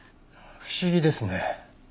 不思議ですね。